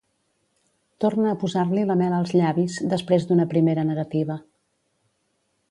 Torna a posar-li la mel als llavis, després d'una primera negativa.